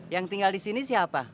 yang tinggal disini siapa